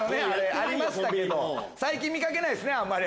ありましたけど最近見掛けないっすねあんまり。